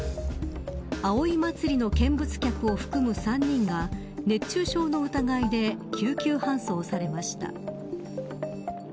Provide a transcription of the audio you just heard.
葵祭の見物客を含む３人が熱中症の疑いで救急搬送されました。